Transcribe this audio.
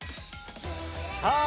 さあ